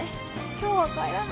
今日は帰らない。